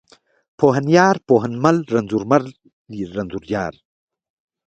پوهنيار، پوهنمل، رنځورمل، رنځوریار.